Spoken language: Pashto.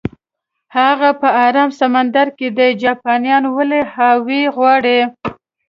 هغه په ارام سمندر کې ده، جاپانیان ولې هاوایي غواړي؟